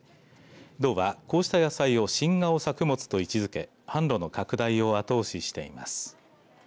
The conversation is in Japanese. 道はこうした野菜を新顔作物と位置づけ販路の拡大を後押ししています。